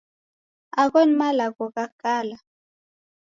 Agho ni malagho gha kala.